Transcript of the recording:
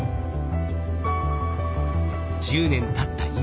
１０年たった